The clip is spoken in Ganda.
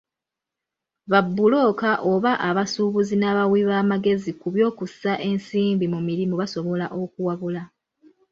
Ba bbulooka oba abasuubuzi n'abawi b'amagezi ku by'okussa ensimbi mu mirimu basobola okuwabula.